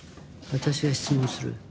私が質問する。